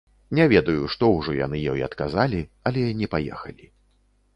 Не ведаю, што ўжо яны ёй адказалі, але не паехалі.